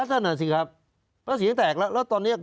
เพราะเสียงแตกแล้วตอนนี้